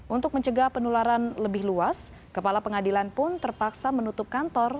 untuk mencegah penularan lebih luas kepala pengadilan pun terpaksa menutup kantor